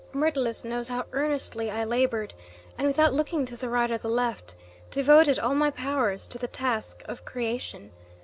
Myrtilus knows how earnestly I laboured, and, without looking to the right or the left, devoted all my powers to the task of creation.